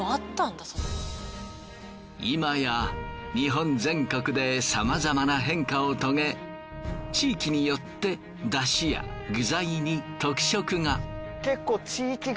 いまや日本全国でさまざまな変化を遂げ地域によって出汁や具材に特色が。